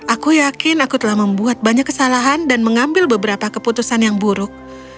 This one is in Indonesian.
aku yakin aku telah membuat banyak kesalahan dan mengambil beberapa keputusan yang buruk